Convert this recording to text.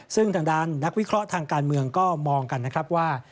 ซึ่งทางด้านนักวิเคราะห์ทางการเมืองก็มองกันนะครับว่า